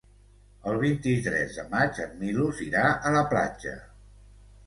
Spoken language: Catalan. El vint-i-tres de maig en Milos irà a la platja.